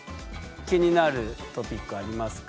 気になるトピックありますか？